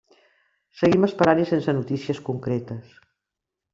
Seguim esperant i sense notícies concretes.